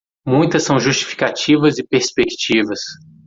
Muitas são justificativas e perspectivas.